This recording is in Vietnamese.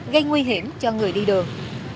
gây nguy hiểm cho người đi đường